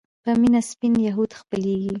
په مينه سپين يهود خپلېږي